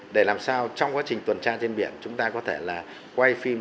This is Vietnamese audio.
để làm sao trong quá trình tuần tra trên biển chúng ta có thể là quay phim